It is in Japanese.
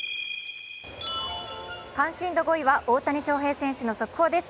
関心度５位は大谷翔平選手の速報です。